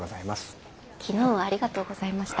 昨日はありがとうございました。